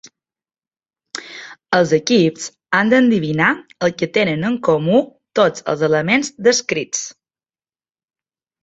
Els equips han d'endevinar el que tenen en comú tots els elements descrits.